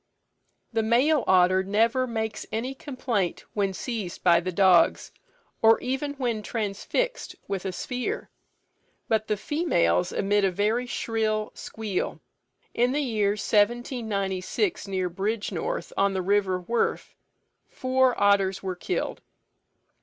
The male otter never makes any complaint when seized by the dogs, or even when transfixed with a spear, but the females emit a very shrill squeal. In the year 1796, near Bridgenorth, on the river Wherfe, four otters were killed.